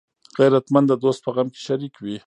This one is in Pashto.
غیرتمند د دوست په غم کې شریک وي